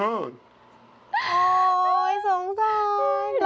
โอ้โหสงสาร